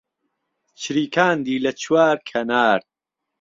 چریکاندی له چوار کهنار